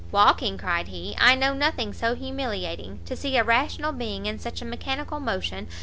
"Walking?" cried he, "I know nothing so humiliating; to see a rational being in such mechanical motion!